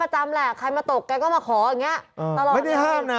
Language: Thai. จำแหละใครมาตกแกก็มาขออย่างนี้ตลอดไม่ได้ห้ามนะ